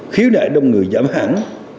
khíu nại đông người giảm hẳn